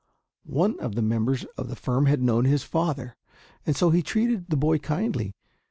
One of the members of the firm had known his father, and so he treated the boy kindly.